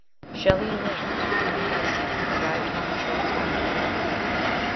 Shelley and Williams, return ing by sea, arrived home a short time before her.